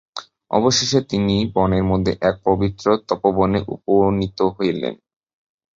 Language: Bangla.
অবশেষে তিনি বনের মধ্যে এক পবিত্র তপোবনে উপনীত হইলেন।